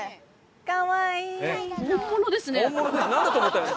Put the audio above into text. かわいい。